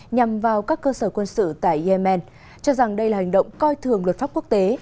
nhằm vào các cơ sở quân sự tại yemen cho rằng đây là hành động coi thường luật pháp quốc tế